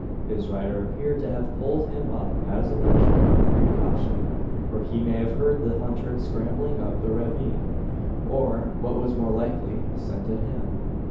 His rider appeared to have pulled him up as a measure of precaution; or he may have heard the hunter scrambling up the ravine; or, what was more likely, scented him.